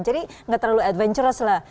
jadi nggak terlalu adventurous lah